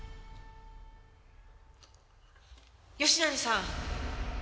吉成さん。